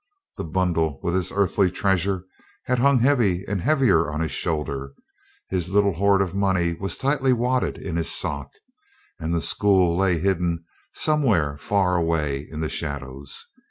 The bundle with his earthly treasure had hung heavy and heavier on his shoulder; his little horde of money was tightly wadded in his sock, and the school lay hidden somewhere far away in the shadows.